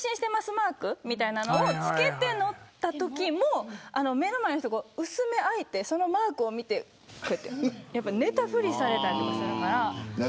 マークを付けて乗ったときも目の前の人、薄目開いてそのマークを見て寝たふりをされたりするから。